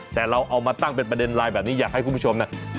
แต่เราเอามาตั้งเป็นประเด็นไลน์แบบนี้อยากให้คุณผู้ชมนะ